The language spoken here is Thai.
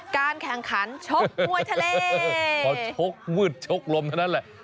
การแข่งขันชกมวยทะเลพอชกมืดชกลมเท่านั้นแหละ